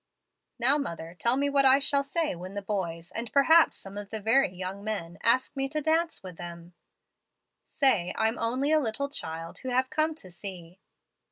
"'Now, mother, tell me what shall I say when the boys, and perhaps some of the very young men, ask me to dance with them?' "'Say, I'm only a little child who have come to see.